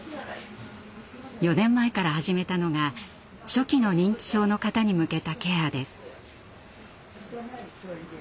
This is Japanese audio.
４年前から始めたのが初期の認知症の方に向けたケアです。